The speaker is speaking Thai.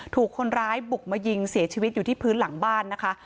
ถูกคนร้ายบุกมายิงเสียชีวิตอยู่ที่พื้นหลังบ้านนะคะ